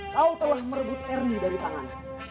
kau telah merebut ernie dari tangan